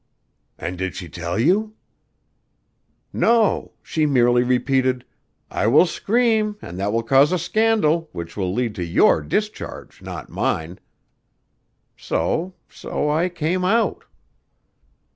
"And did she tell you?" "No. She merely repeated, 'I will scream, and that will cause a scandal which will lead to your discharge, not mine.' So so, I came out."